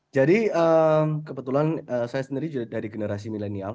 jadi kebetulan saya sendiri dari generasi milenial